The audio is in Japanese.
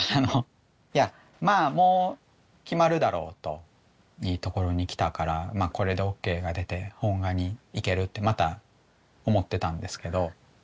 いやまあもう決まるだろうといいところにきたからこれでＯＫが出て本画にいけるってまた思ってたんですけど。